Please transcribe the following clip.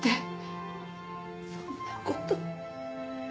そんな事。